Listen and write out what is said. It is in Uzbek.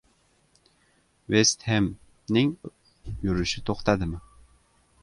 «Vest Hem»ning yurishi to‘xtadimi?